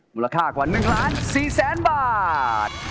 มูลค่ากว่า๑๔๐๐๐๐๐บาท